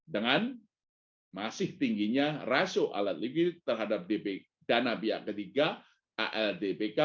dengan masih tingginya rasio alat likuid terhadap dana pihak ketiga aldpk